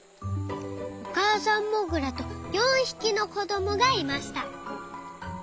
おかあさんモグラと４ひきのこどもがいました。